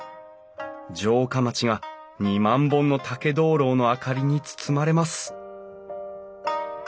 城下町が２万本の竹灯籠の明かりに包まれます